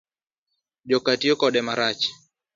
Joka tiyo kode marach